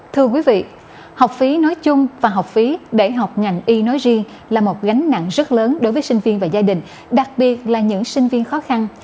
thưa quý vị học phí nói chung và học phí để học ngành y nói riêng là một gánh nặng rất lớn đối với sinh viên và gia đình đặc biệt là những sinh viên khó khăn